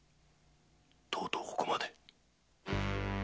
とうとうここまで